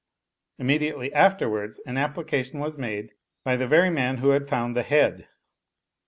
Immediately afterwards an application was made — ^by the very man who had found the head.